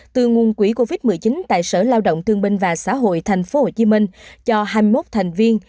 từ nguồn quỹ covid một mươi chín tại sở lao động thương binh và xã hội tp hcm cho hai mươi một thành viên